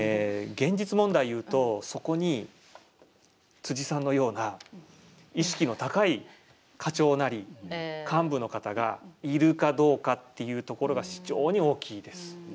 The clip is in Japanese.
現実問題を言うとそこにさんのような意識の高い課長なり幹部の方がいるかどうかっていうところが非常に大きいです。